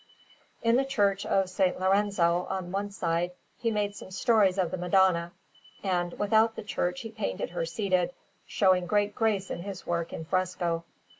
In the Church of S. Lorenzo, on one side, he made some stories of the Madonna, and without the church he painted her seated, showing great grace in this work in fresco.